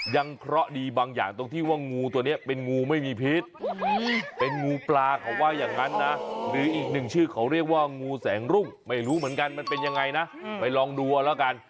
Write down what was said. หรืออีกหนึ่งชื่อเขาเรียกว่างูแสงรุ่งไม่รู้เหมือนกันมันเป็นยังไงนะไปลองดูกันแล้ว